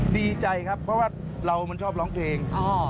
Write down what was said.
ดีใจครับเพราะว่าเรามันชอบร้องเพลง